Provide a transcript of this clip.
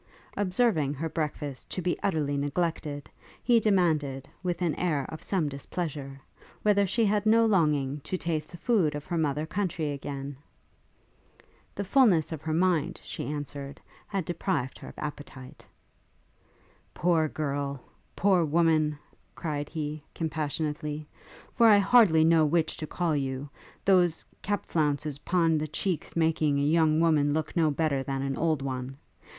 Observing her breakfast to be utterly neglected, he demanded, with an air of some displeasure, whether she had no longing to taste the food of her mother country again? The fulness of her mind, she answered, had deprived her of appetite. 'Poor girl! poor woman!' cried he, compassionately, 'for I hardly know which to call you, those cap flounces pon the cheeks making a young woman look no better than an old one.